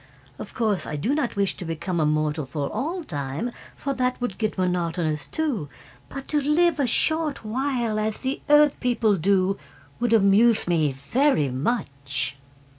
Of course, I do not wish to become a mortal for all time, for that would get monotonous, too; but to live a short while as the earth people do would amuse me very much."